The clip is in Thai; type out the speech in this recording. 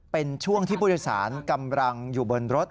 เป็นช่วงที่ผู้โดยสารกำลังอยู่บนรถ